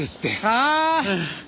はあ？